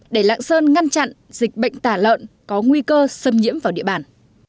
để lạng sơn ngăn chặn dịch bệnh tả lợn có nguy cơ xâm nhiễm vào địa bàn